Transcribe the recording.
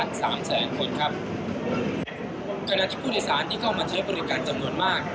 ในเวลานี้ผู้ติศาสตร์ใช้ปฏิการจำนวนมาก